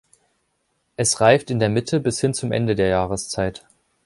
Es reift in der Mitte bis hin zum Ende der Jahreszeit.